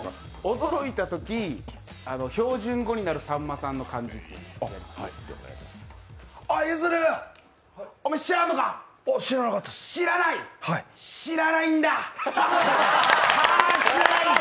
驚いたとき、標準語になるさんまさんの感じをやります。